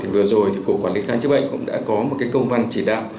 vừa rồi thì cục quản lý khám chữa bệnh cũng đã có một cái công văn chỉ đạo